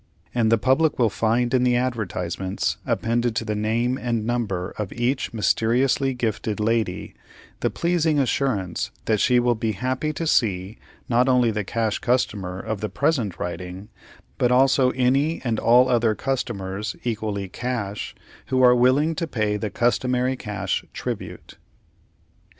And the public will find in the advertisements, appended to the name and number of each mysteriously gifted lady, the pleasing assurance that she will be happy to see, not only the Cash Customer of the present writing, but also any and all other customers, equally cash, who are willing to pay the customary cash tribute.